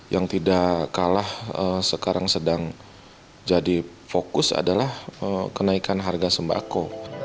yang tidak kalah sekarang sedang jadi fokus adalah kenaikan harga sembako